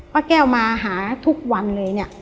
ป้าแก้วมาหาทุกวันเลย